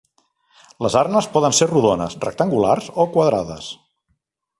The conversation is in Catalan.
Les arnes poden ser rodones, rectangulars o quadrades.